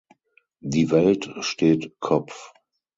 Die Welt steht Kopf.